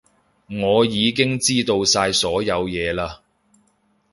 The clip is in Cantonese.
我已經知道晒所有嘢嘞